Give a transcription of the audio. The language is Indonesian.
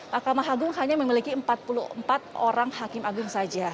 mahkamah agung hanya memiliki empat puluh empat orang hakim agung saja